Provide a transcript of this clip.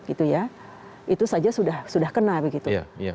itu saja sudah kena begitu